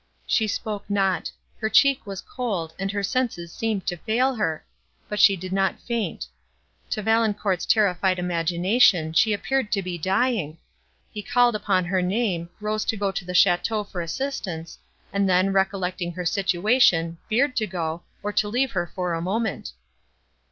she spoke not; her cheek was cold, and her senses seemed to fail her, but she did not faint. To Valancourt's terrified imagination she appeared to be dying; he called upon her name, rose to go to the château for assistance, and then, recollecting her situation, feared to go, or to leave her for a moment.